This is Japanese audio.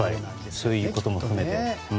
そういうことも含めて。